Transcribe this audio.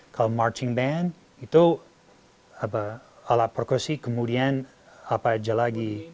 kalau marching band itu alat prokresi kemudian apa aja lagi